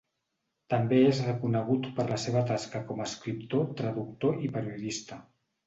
També és reconegut per la seva tasca com a escriptor, traductor i periodista.